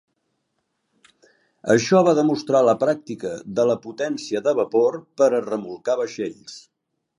Això va demostrar la pràctica de la potència de vapor per a remolcar vaixells.